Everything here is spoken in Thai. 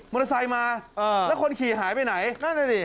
เตอร์ไซค์มาแล้วคนขี่หายไปไหนนั่นน่ะดิ